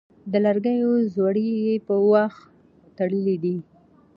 د لرګيو ځوړی يې په واښ تړلی دی